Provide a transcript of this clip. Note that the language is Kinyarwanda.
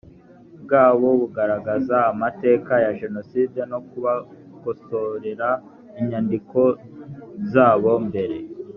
bwabo bugaragaza amateka ya jenoside no kubakosorera inyandiko zabo mbere